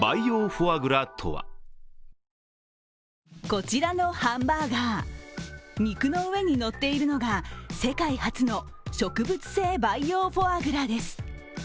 こちらのハンバーガー肉の上にのっているのが世界初の植物性培養フォアグラです。